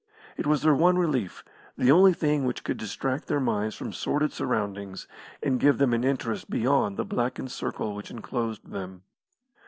It was their one relief, the only thing which could distract their minds from sordid surroundings, and give them an interest beyond the blackened circle which enclosed them.